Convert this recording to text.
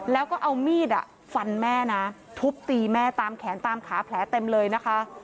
แล้วก็เอามีดฟันแม่นะทุบตีแม่ตามแขนตามขาแผลเต็มเลยนะคะ